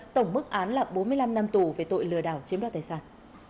tổng mức án là bốn mươi năm năm tù về tội lừa đảo chiếm đoạt tài sản